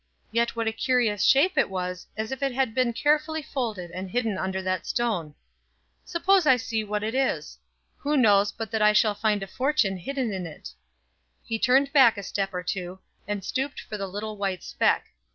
"Yet what a curious shape it was as if it had been carefully folded and hidden under that stone. Suppose I see what it is? Who knows but I shall find a fortune hidden in it?" He turned back a step or two, and stooped for the little white speck.